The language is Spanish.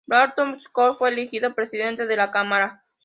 Barton Scotland fue elegido Presidente de la Cámara.